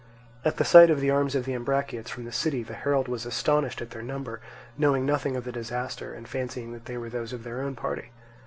At the sight of the arms of the Ambraciots from the city, the herald was astonished at their number, knowing nothing of the disaster and fancying that they were those of their own party.